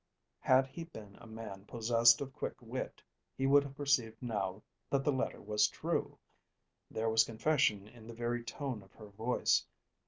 Had he been a man possessed of quick wit, he would have perceived now that the letter was true. There was confession in the very tone of her voice.